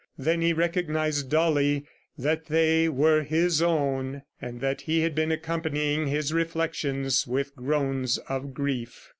... Then he recognized dully that they were his own, that he had been accompanying his reflections with groans of grief.